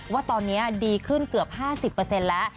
ว่าตอนนี้ดีขึ้นเกือบ๕๐แล้ว